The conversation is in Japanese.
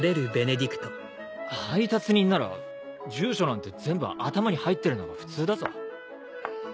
配達人なら住所なんて全部頭に入ってるのが普通だぞ。